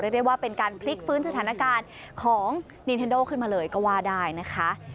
เรียกว่าเป็นการพลิกฟื้นสถานการณ์ของนินเทนโดขึ้นมาเลยก็ว่าได้นะคะ